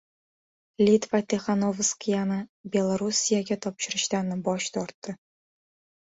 Litva Tixanovskayani Belorussiyaga topshirishdan bosh tortdi